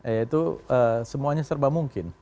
ya itu semuanya serba mungkin